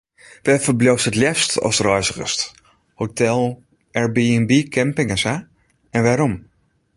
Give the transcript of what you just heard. Wêr ferbliuwst it leafst ast reizgest, hotel, airbnb, camping, en sa en wêrom?